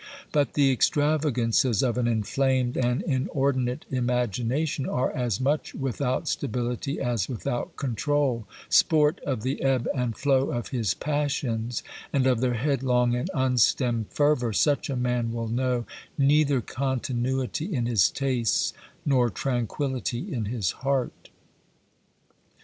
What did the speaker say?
But the extrava gances of an inflamed and inordinate imagination are as much without stability as without control : sport of the ebb and flow of his passions, and of their headlong and unstemmed fervour, such a man will know neither continuity in his tastes nor tranquillity in his heart.